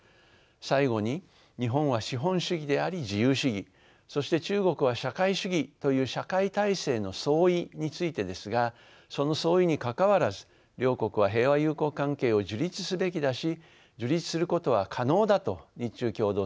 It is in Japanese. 最後に日本は資本主義であり自由主義そして中国は社会主義という社会体制の相違についてですがその相違にかかわらず両国は平和友好関係を樹立すべきだし樹立することは可能だと日中共同声明は述べています。